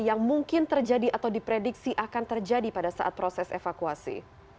yang mungkin terjadi atau diprediksi akan terjadi pada saat proses evakuasi